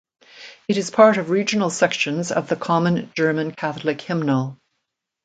It is part of regional sections of the common German Catholic hymnal.